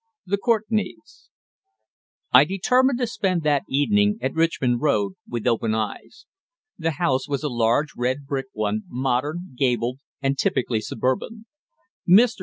THE COURTENAYS. I determined to spend that evening at Richmond Road with open eyes. The house was a large red brick one, modern, gabled, and typically suburban. Mr.